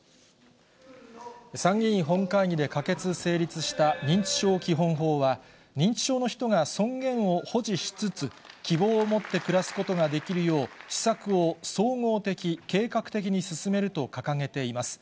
参議院本会議で可決・成立した認知症基本法は、認知症の人が尊厳を保持しつつ、希望を持って暮らすことができるよう、施策を総合的、計画的に進めると掲げています。